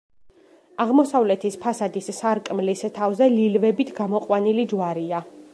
აღმოსავლეთის ფასადის სარკმლის თავზე ლილვებით გამოყვანილი ჯვარია.